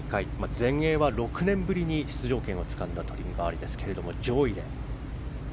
全英は６年ぶりに出場権をつかんだトリンガーリですが、上位で。